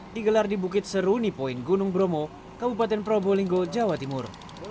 digelar di bukit seruni poin gunung bromo kabupaten probolinggo jawa timur